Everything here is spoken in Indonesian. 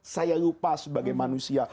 saya lupa sebagai manusia